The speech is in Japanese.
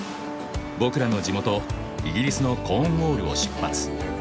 僕らの地元イギリスのコーンウォールを出発。